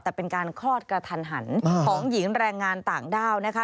แต่เป็นการคลอดกระทันหันของหญิงแรงงานต่างด้าวนะคะ